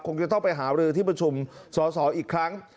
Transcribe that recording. คงจะต้องไปหารือที่ประชุมสอสออีกครั้ง